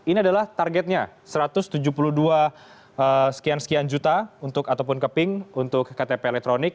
ini adalah targetnya satu ratus tujuh puluh dua sekian sekian juta untuk ataupun keping untuk ktp elektronik